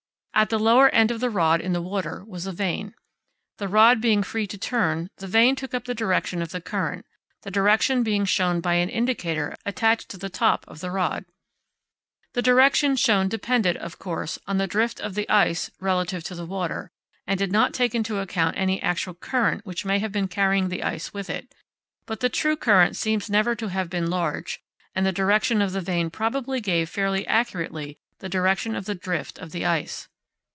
At the lower end of the rod, in the water, was a vane. The rod being free to turn, the vane took up the direction of the current, the direction being shown by an indicator attached to the top of the rod. The direction shown depended, of course, on the drift of the ice relative to the water, and did not take into account any actual current which may have been carrying the ice with it, but the true current seems never to have been large, and the direction of the vane probably gave fairly accurately the direction of the drift of the ice.